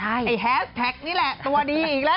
ไอ้แฮสแท็กนี่แหละตัวดีอีกแล้ว